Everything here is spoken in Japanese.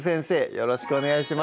よろしくお願いします